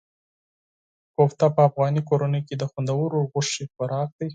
کوفته په افغاني کورنیو کې د خوندورو غوښې خوراک دی.